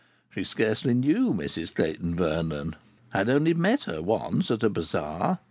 She scarcely knew Mrs Clayton Vernon, had only met her once at a bazaar!